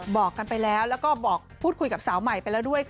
บอกกันไปแล้วแล้วก็บอกพูดคุยกับสาวใหม่ไปแล้วด้วย